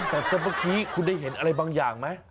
แต่เมื่อกี้คุณได้เห็นอะไรบางอย่างไหม